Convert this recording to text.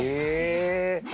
へえ。